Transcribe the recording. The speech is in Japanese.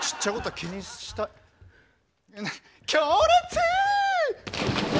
強烈！